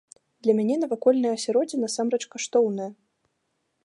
Для мяне навакольнае асяроддзе насамрэч каштоўнае.